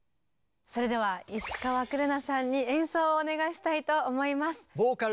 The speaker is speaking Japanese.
それでは石川紅奈さんに演奏をお願いしたいと思います。